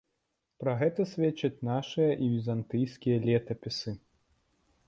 Пра гэта сведчаць нашыя і візантыйскія летапісы.